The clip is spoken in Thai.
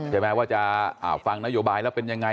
ใช่ไหมว่าจะฟังนโยบายแล้วเป็นยังไง